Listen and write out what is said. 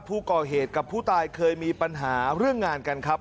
ผู้ก่อเหตุกับผู้ตายเคยมีปัญหาเรื่องงานกันครับ